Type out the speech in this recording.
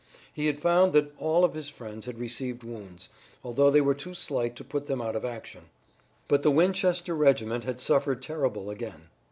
He had found that all of his friends had received wounds, although they were too slight to put them out of action. But the Winchester regiment had suffered terribly again.